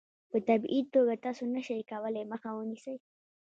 په طبیعي توګه تاسو نشئ کولای مخه ونیسئ.